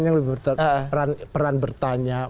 yang lebih berperan bertanya